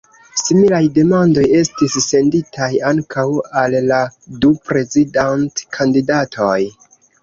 Similaj demandoj estis senditaj ankaŭ al la du prezidant-kandidatoj.